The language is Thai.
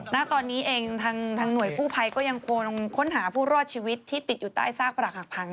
ณตอนนี้เองทางหน่วยกู้ภัยก็ยังคงค้นหาผู้รอดชีวิตที่ติดอยู่ใต้ซากประหลักหักพัง